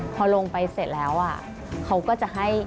พอลงไปเสร็จแล้วเขาก็จะให้